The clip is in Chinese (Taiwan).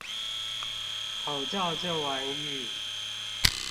口罩這玩意